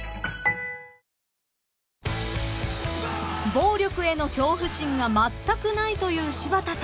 ［暴力への恐怖心がまったくないという柴田さん］